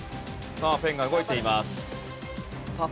さあペンが動いています。